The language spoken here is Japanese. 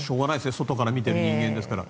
外から見てる人間ですから。